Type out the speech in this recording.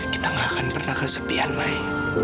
kita gak akan pernah kesepian mai